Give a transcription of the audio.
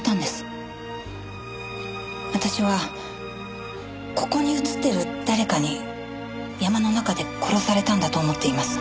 私はここに写っている誰かに山の中で殺されたんだと思っています。